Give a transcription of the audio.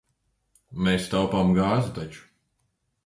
Mēs taupām gāzi taču.